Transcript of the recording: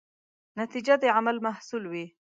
نتیجه د عمل محصول وي.